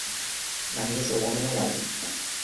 Na mesa, o homem não olha.